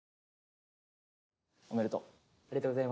おめでとう。